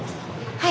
はい。